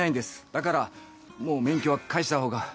だからもう免許は返した方が。